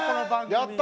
やった！